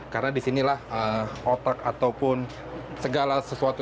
karena di sinilah hot track ataupun segala sesuatu